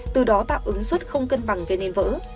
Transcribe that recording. từ đó tạo ứng xuất không cân bằng về nền vỡ